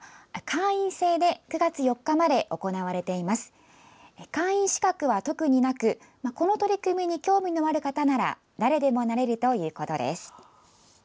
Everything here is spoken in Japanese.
会員資格は特になくこの取り組みに興味のある方なら誰でもなれるということです。